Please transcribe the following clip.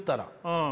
うん。